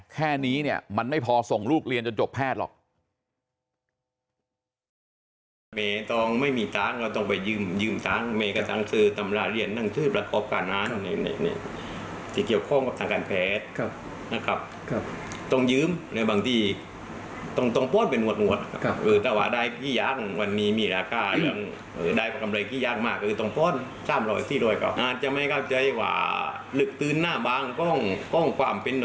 แค่นี้เนี่ยมันไม่พอส่งลูกเรียนจนจบแพทย์หรอก